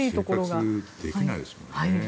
生活できないですもんね。